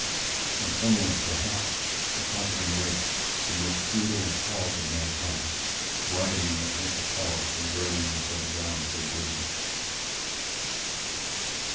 "And somewhere, perhaps, a conquering race, the most brutal and callous of mankind, rioting in their sense of power and dragging themselves down to oblivion...."